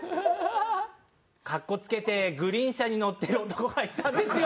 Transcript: かっこつけてグリーン車に乗ってる男がいたんですよ。